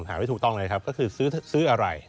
หาไม่ถูกต้องเลยครับก็คือซื้ออะไร